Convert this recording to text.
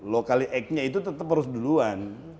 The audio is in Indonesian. lokalnya itu tetap harus duluan